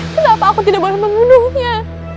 kenapa aku tidak boleh membunuhnya